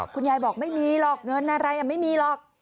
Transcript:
คุณยายบอกไม่มีหรอกเงินอะไรไม่มีหรอก